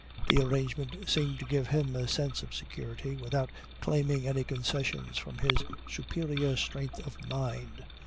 The arrangement seemed to give him a sense of security without claiming any concessions from his superior strength of mind.